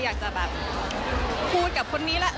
อยากจะแบบพูดกับคนนี้แหละ